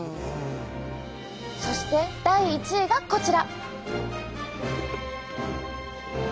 そして第１位がこちら！